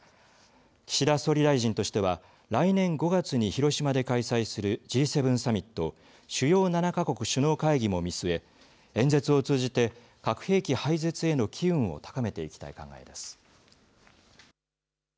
岸田総理大臣としては来年５月に広島で開催するＧ７サミット主要７か国首脳会議も見据え演説を通じて核兵器廃絶への機運を高めていきたい考えです。